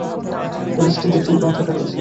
কলেজটিতে একটি গ্রন্থাগার রয়েছে।